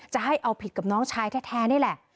จะให้เอาผิดกับน้องชายแท้นี่แหละ